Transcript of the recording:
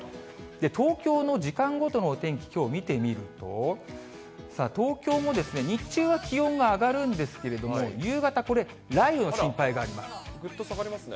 東京の時間ごとのお天気、きょう見てみると、さあ、東京も日中は気温が上がるんですけれども、夕方、これ、雷雨の心ぐっと下がりますね。